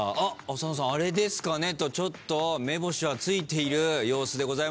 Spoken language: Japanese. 浅野さん「あれですかね」とちょっとめぼしはついている様子でございます。